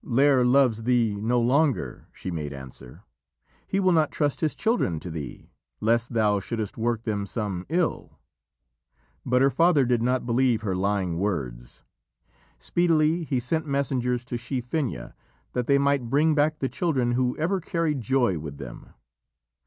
"Lîr loves thee no longer," she made answer. "He will not trust his children to thee, lest thou shouldst work them some ill." But her father did not believe her lying words. Speedily he sent messengers to Shee Finnaha that they might bring back the children who ever carried joy with them.